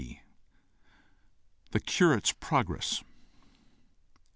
THE CURATE'S PROGRESS.